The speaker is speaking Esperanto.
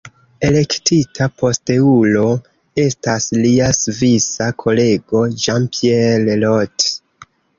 Elektita posteulo estas lia svisa kolego Jean-Pierre Roth.